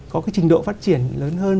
có trình độ phát triển lớn hơn